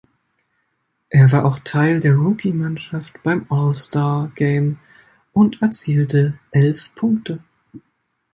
Er war auch Teil der Rookie-Mannschaft beim All-Star-Game und erzielte elf Punkte.